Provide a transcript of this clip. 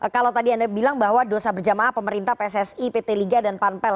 kalau tadi anda bilang bahwa dosa berjamaah pemerintah pssi pt liga dan panpel